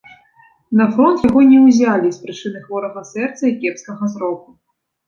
На фронт яго не ўзялі з прычыны хворага сэрца і кепскага зроку.